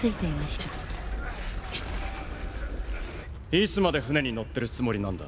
いつまで船に乗ってるつもりなんだ。